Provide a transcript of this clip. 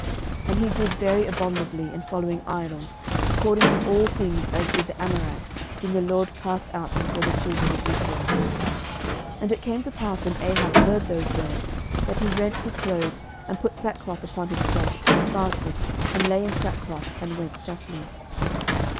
11:021:026 And he did very abominably in following idols, according to all things as did the Amorites, whom the LORD cast out before the children of Israel. 11:021:027 And it came to pass, when Ahab heard those words, that he rent his clothes, and put sackcloth upon his flesh, and fasted, and lay in sackcloth, and went softly.